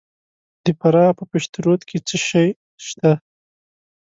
د فراه په پشترود کې څه شی شته؟